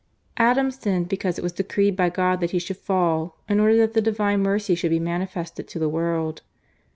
Adam sinned because it was decreed by God that he should fall in order that the divine mercy should be manifested to the world.